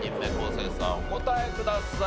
生さんお答えください。